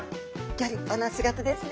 ギョ立派な姿ですね。